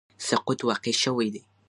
سقوط واقع شوی دی